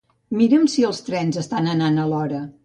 Mira'm si els trens estan anant a l'hora